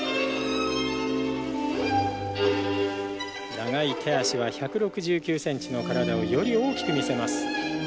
長い手足は１６９センチの体をより大きく見せます。